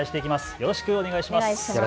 よろしくお願いします。